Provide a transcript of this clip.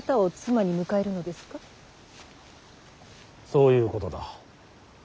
そういうことだ。